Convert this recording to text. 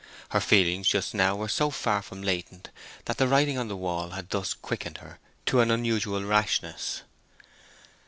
Her feelings just now were so far from latent that the writing on the wall had thus quickened her to an unusual rashness.